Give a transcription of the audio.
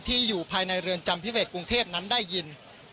อยู่ภายในเรือนจำพิเศษกรุงเทพนั้นได้ยิน